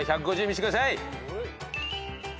見してください！